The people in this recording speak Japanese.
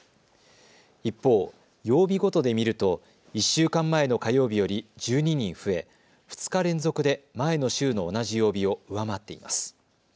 一方、曜日ごとで見ると１週間前の火曜日より１２人増え２日連続で前の週の同じ曜日を上回っています。